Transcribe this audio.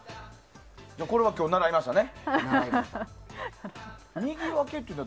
これは今日習いましたね。